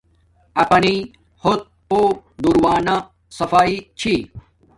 اپانݵیݵ ہوت پوہ دور وانا صفایݵ چھی